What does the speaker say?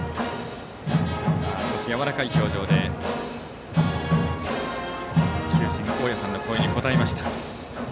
少しやわらかい表情で球審、大屋さんの声に答えました。